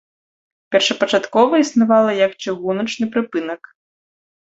Першапачаткова існавала як чыгуначны прыпынак.